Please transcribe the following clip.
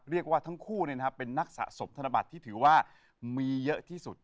เรียกว่าทั้งคู่เป็นนักสะสมธนบัตรที่ถือว่ามีเยอะที่สุด